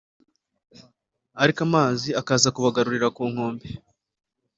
ariko amazi akaza kubagarura ku nkombe